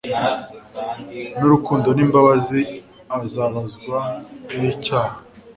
n'urukundo n'imbabazi, azababazwa n'icyaha,